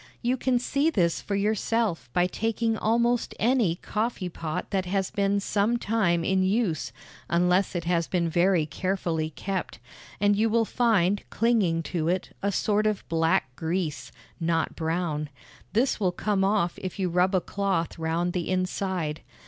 You can see this for yourself by taking almost any coffee pot that has been some time in use (unless it has been very carefully kept), and you will find clinging to it a sort of black grease (not brown); this will come off if you rub a cloth round the inside.